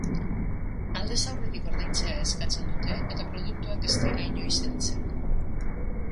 Aldez aurretik ordaintzea eskatzen dute eta produktuak ez dira inoiz heltzen.